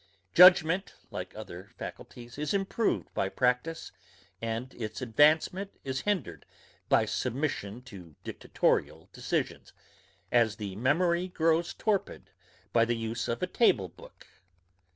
Judgement, like other faculties, is improved by practice, and its advancement is hindered by submission to dictatorial decisions, as the memory grows torpid by the use of a table book.